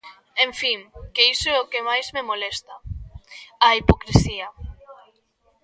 En fin, que iso é o que máis me molesta: a hipocrisía.